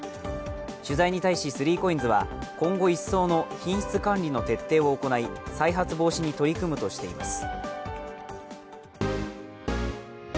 取材に対し、３ＣＯＩＮＳは今後、一層の品質管理の徹底を行い再発防止に取り組むとしています。